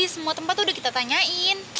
semua tempat tuh udah kita tanyain